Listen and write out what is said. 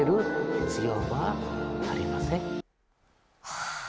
はあ。